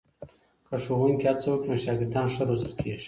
که ښوونکي هڅه وکړي نو شاګردان ښه روزل کېږي.